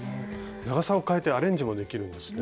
長さをかえてアレンジもできるんですね。